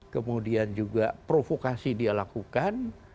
kemudian juga provokasi dia lakukan